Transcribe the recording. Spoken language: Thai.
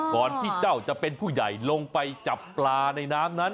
ก่อนที่เจ้าจะเป็นผู้ใหญ่ลงไปจับปลาในน้ำนั้น